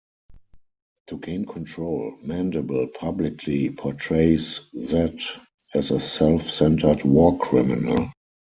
To gain control, Mandible publicly portrays Z as a self-centered war criminal.